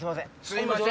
すいません。